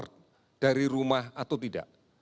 kita harus keluar dari rumah atau tidak